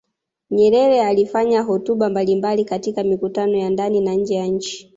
Nyerere alifanya hotuba mbalimbali katika mikutano ya ndani na nje ya nchi